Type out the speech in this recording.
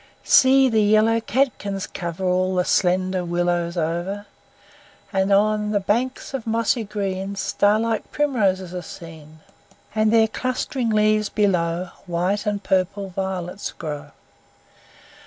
See, the yellow catkins cover All the slender willows over! And on the banks of mossy green Star like primroses are seen; And, their clustering leaves below, White and purple violets grow.